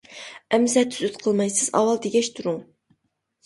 ئەمىسە تۈزۈت قىلماي سىز ئاۋۋال دېگەچ تۇرۇڭ.